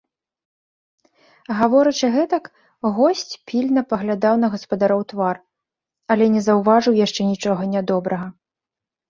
Гаворачы гэтак, госць пільна паглядаў на гаспадароў твар, але не заўважыў яшчэ нічога нядобрага.